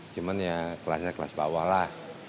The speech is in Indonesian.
cuman ya kelasnya kelas bawah lah